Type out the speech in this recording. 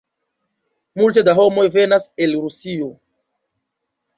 Multe da homoj venas el Rusio.